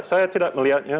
saya tidak melihatnya